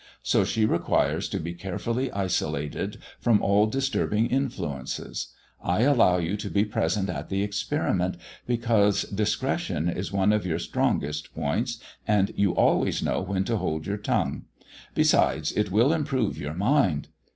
So she requires to be carefully isolated from all disturbing influences. I allow you to be present at the experiment, because discretion is one of your strongest points, and you always know when to hold your tongue. Besides, it will improve your mind.